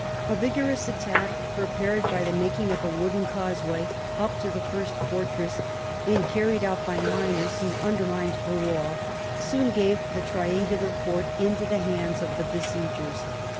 A vigorous attack, prepared by the making of a wooden causeway up to the first fortress, and carried out by miners, who undermined the wall, soon gave the triangular fort into the hands of the besiegers.